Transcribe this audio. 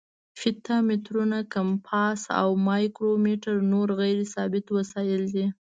فیته یي مترونه، کمپاس او مایکرو میټر نور غیر ثابت وسایل دي.